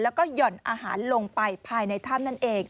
แล้วก็หย่อนอาหารลงไปภายในถ้ำนั่นเอง